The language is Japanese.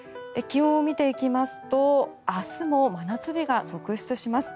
気温を見ていきますと明日も真夏日が続出します。